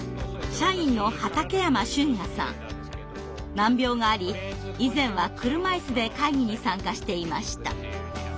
難病があり以前は車いすで会議に参加していました。